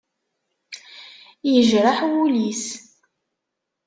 Yejreḥ wul-is.